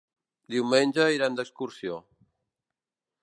Diumenge irem d'excursió.